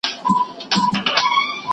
څېړونکی باید د خپل کار په پایله باوري وي.